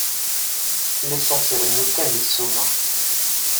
Lissans irennu kan deg ssuma.